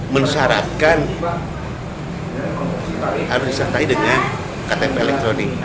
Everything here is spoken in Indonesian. mensyarakat harus disatai dengan ktp elektronik